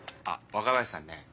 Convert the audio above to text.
若林さんね。